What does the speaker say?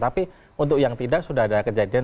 tapi untuk yang tidak sudah ada kejadian